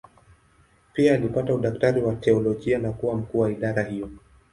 Pia alipata udaktari wa teolojia na kuwa mkuu wa idara hiyo.